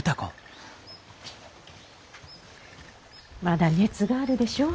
まだ熱があるでしょ。